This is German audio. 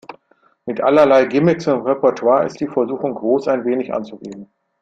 Mit allerlei Gimmicks im Repertoire ist die Versuchung groß, ein wenig anzugeben.